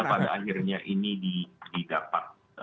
pada akhirnya ini didapat